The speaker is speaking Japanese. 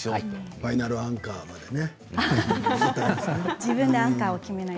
ファイナルアンカーまでね